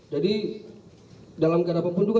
jadi dalam keadaan pembunuh